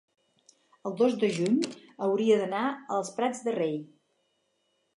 el dos de juny hauria d'anar als Prats de Rei.